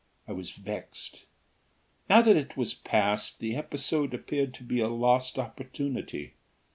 I was vexed. Now that it was past the episode appeared to be a lost opportunity.